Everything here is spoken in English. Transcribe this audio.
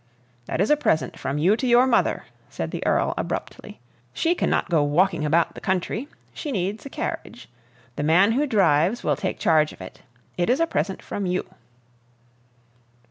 "That is a present from you to your mother," the Earl said abruptly. "She can not go walking about the country. She needs a carriage. The man who drives will take charge of it. It is a present from YOU."